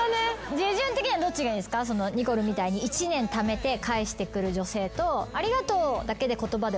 ジェジュン的にはどっちがいいんですか？にこるんみたいに１年ためて返してくる女性と「ありがとう」だけで言葉で終わりな女性。